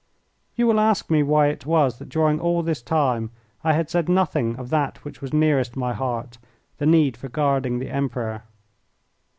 You will ask me why it was that during all this time I had said nothing of that which was nearest my heart, the need for guarding the Emperor.